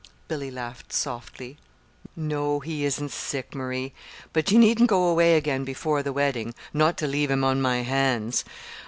Billy laughed softly. "No, he isn't sick, Marie; but you needn't go away again before the wedding not to leave him on my hands.